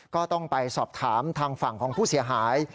ก็ต้องไปสอบถามทางฝั่งของผู้เสียหาย